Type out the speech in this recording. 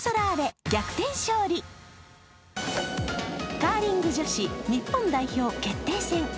カーリング女子日本代表決定戦。